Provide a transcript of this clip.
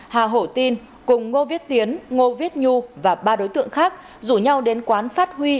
hà hổ tin cùng ngô viết tiến ngô viết nhu và ba đối tượng khác rủ nhau đến quán phát huy